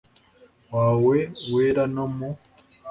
wawe wera no mu